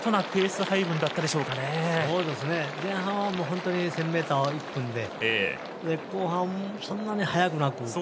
前半は本当に１０００ｍを１分で、後半、そんなに早くなく。